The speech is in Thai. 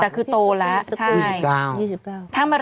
แต่คือโตแล้วนะใช่